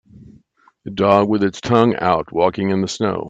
A dog with its tongue out walking in the snow.